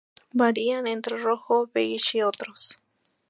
Varían entre rojo, beige y otros.